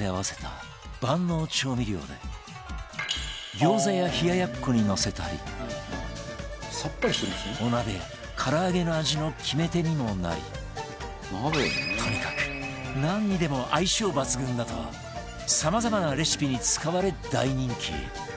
餃子や冷奴にのせたりお鍋や唐揚げの味の決め手にもなりとにかくなんにでも相性抜群だとさまざまなレシピに使われ大人気